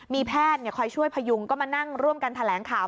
มีแพทย์คอยช่วยพยุงก็มานั่งร่วมกันแถลงข่าว